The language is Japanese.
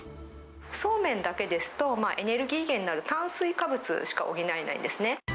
そうめんだけですと、エネルギー源になる炭水化物しか補えないんですね。